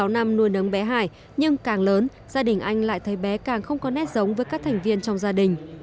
sáu năm nuôi nấng bé hải nhưng càng lớn gia đình anh lại thấy bé càng không có nét giống với các thành viên trong gia đình